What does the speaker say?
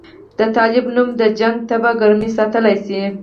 د طالب نوم د جګړې تبه ګرمه ساتلی شي.